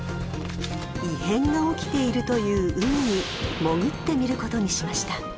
［異変が起きているという海に潜ってみることにしました］